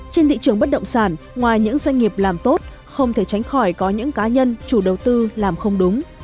trên thị trường bất động sản ngoài những doanh nghiệp làm tốt không thể tránh khỏi có những cá nhân chủ đầu tư làm không đúng